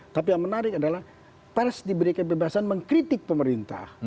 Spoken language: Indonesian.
tapi yang menarik adalah pers diberi kebebasan mengkritik pemerintah